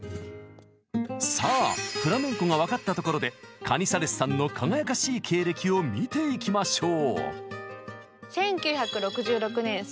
さあフラメンコが分かったところでカニサレスさんの輝かしい経歴を見ていきましょう！